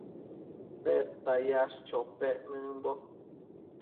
¿Tedta yash chopec nëmbo ?